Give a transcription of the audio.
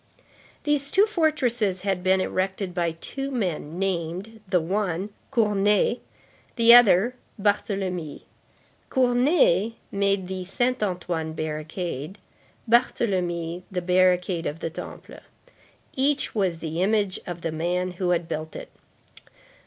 These two fortresses had been erected by two men named, the one, Cournet, the other, Barthélemy. Cournet made the Saint Antoine barricade; Barthélemy the barricade of the Temple. Each was the image of the man who had built it.